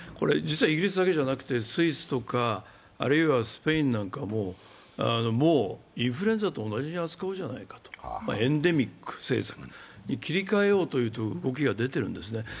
実はイギリスだけじゃなくてスイスとかスペインなんかももうインフルエンザと同じに扱おうじゃないか、エンデミック政策に切り替えようという動きが出ているんですね。